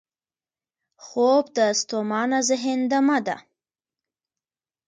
خوب د ستومانه ذهن دمه ده